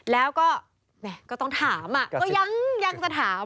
แล้วก็แม่ก็ต้องถามก็ยังจะถาม